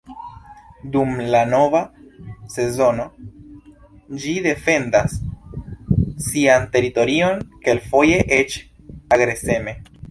Dum la kova sezono ĝi defendas sian teritorion, kelkfoje eĉ agreseme.